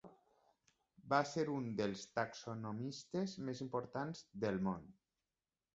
Va ser un dels taxonomistes més importants del món.